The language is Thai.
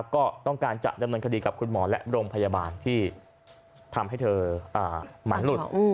ก็ต้องการจะดำเนินคดีกับคุณหมอและโรงพยาบาลที่ทำให้เธอหมาหลุด